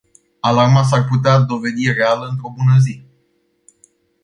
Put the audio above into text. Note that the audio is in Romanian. Alarma s-ar putea dovedi reală într-o bună zi.